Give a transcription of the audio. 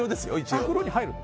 袋に入るの？